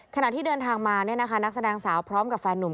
ขณะที่เดินทางมานักแสดงสาวพร้อมกับแฟนนุ่ม